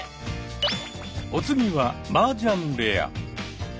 お次はマージャン部屋。